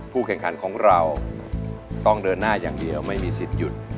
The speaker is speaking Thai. แข่งขันของเราต้องเดินหน้าอย่างเดียวไม่มีสิทธิ์หยุด